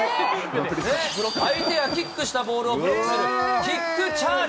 相手がキックしたボールをブロックするキックチャージ。